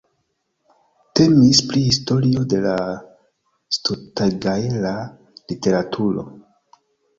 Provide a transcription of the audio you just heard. Temis pri historio de la skotgaela literaturo.